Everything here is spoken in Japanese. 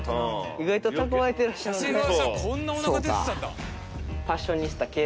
意外と蓄えてらっしゃるんですね。